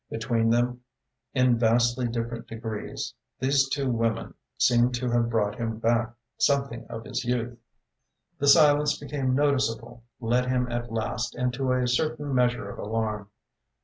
Between them, in vastly different degrees, these two women seemed to have brought him back something of his youth. The silence became noticeable, led him at last into a certain measure of alarm.